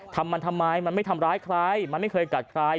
ทำมันทำไมมันไม่ทำร้ายใครมันไม่เคยกัดใคร